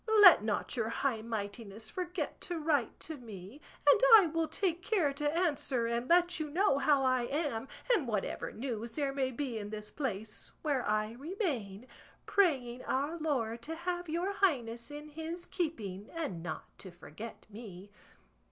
Let not your high mightiness forget to write to me; and I will take care to answer, and let you know how I am, and whatever news there may be in this place, where I remain, praying our Lord to have your highness in his keeping and not to forget me.